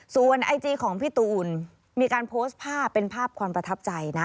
ส่วนไอจีของพี่ตูนมีการโพสต์ภาพเป็นภาพความประทับใจนะ